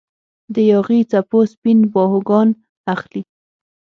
د یاغي څپو سپین باهوګان اخلي